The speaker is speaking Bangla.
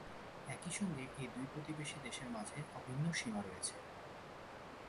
একই সঙ্গে এই দুই প্রতিবেশী দেশের মাঝে অভিন্ন সীমা রয়েছে।